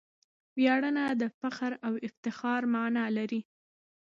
ویاړنه د فخر او افتخار مانا لري.